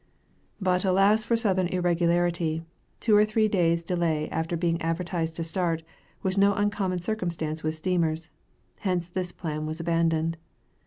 But alas for Southern irregularity, two or three days' delay after being advertised to start, was no uncommon circumstance with steamers; hence this plan was abandoned.